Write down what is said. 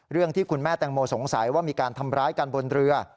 ที่คุณแม่แตงโมสงสัยว่ามีการทำร้ายกันบนเรือ